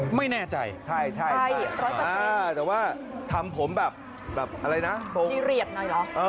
ไม่แน่ใจใช่ใช่ใช่ใช่แต่ว่าทำผมแบบแบบอะไรนะตรงที่เรียดหน่อยเหรอ